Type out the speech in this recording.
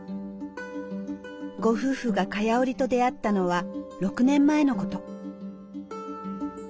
ご夫婦が蚊帳織と出会ったのは６年前のこと。